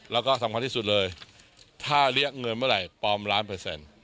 แล้วก็สำคัญที่สุดเลยถ้าเรียกเงินเมื่อไหร่ปลอมล้านเปอร์เซ็นต์